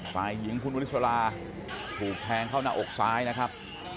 ฝ่ายหญิงคุณวริสราถูกแทงเข้าหน้าอกซ้ายนะครับ